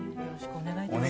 お願い致します。